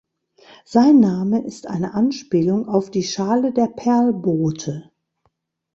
Sein Name ist eine Anspielung auf die Schale der Perlboote.